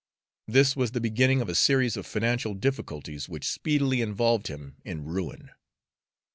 This was the beginning of a series of financial difficulties which speedily involved him in ruin.